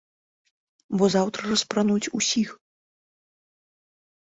Бо заўтра распрануць усіх!